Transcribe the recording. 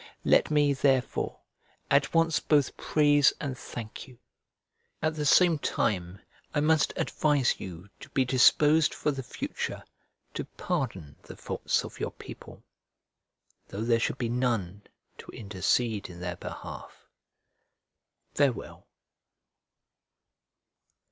Let me, therefore, at once both praise and thank you. At the same time I must advise you to be disposed for the future to pardon the faults of your people, though there should be none to intercede in their behalf. Farewell.